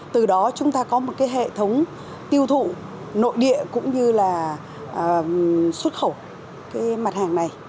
từ đó chúng ta có một cái hệ thống tiêu thụ nội địa cũng như là xuất khẩu cái mặt hàng này